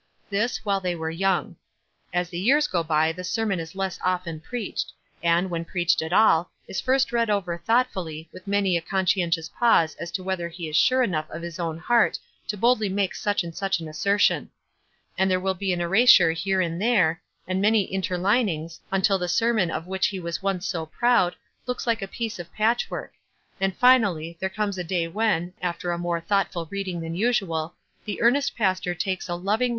This, while they were young. As the years go by the sermon is less often preached, and, when preached at all, is first read over thoughtfully, with many a conscien tious pause as to whether he is sure enough of his own heart to boldly make such and such an rtiou ; and there will be an erasure here and there, and many interliuings, until the sermon of which he was once so proud, looks like a piece of patchwork ; and, finally, there comes a, day when, after a more thoughtful reading than usual, the earnest pastor takes a loving WISE AND OTHERWISE.